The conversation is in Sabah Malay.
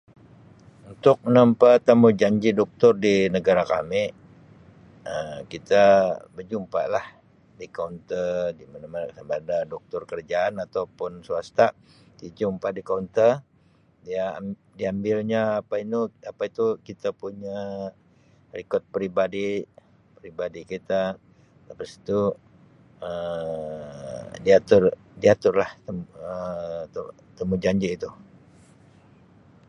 Untuk menempah temujanji doktor di negara kami Um kita berjumpa lah di kaunter di mana-mana sama ada doktor kerajaan ataupun swasta dijumpa di kaunter dia diambilnya apa inu-apa itu kita punya rekod peribadi, peribadi kita lepas tu Um dia atur, dia atur lah Um temujanji itu.